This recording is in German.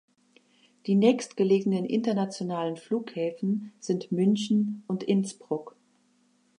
Die nächstgelegenen internationalen Flughäfen sind München und Innsbruck.